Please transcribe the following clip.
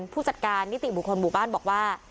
ผู้จัดการนิติบุคคลหมู่บ้านบอกว่า